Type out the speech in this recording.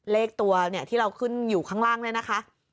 เลขตัวเนี่ยที่เราขึ้นอยู่ข้างล่างเนี่ยนะคะ